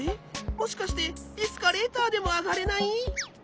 もしかしてエスカレーターでもあがれない！？